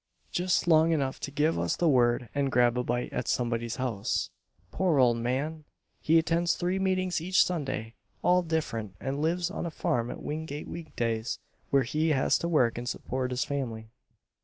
Just long enough to give us the word and grab a bite at somebody's house. Poor old man! He attends three meetings each Sunday, all different, and lives on a farm at Wingate weekdays where he has to work and support his family.